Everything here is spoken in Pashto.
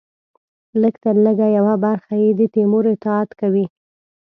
لږترلږه یوه برخه یې د تیمور اطاعت کوي.